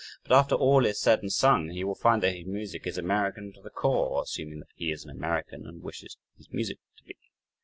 But after all is said and sung he will find that his music is American to the core (assuming that he is an American and wishes his music to be).